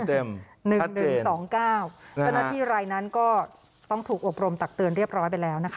เจ้าหน้าที่รายนั้นก็ต้องถูกอบรมตักเตือนเรียบร้อยไปแล้วนะคะ